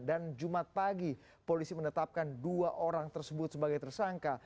dan jumat pagi polisi menetapkan dua orang tersebut sebagai tersangka